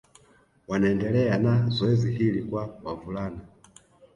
Wanaendelea na zoezi hili kwa wavulana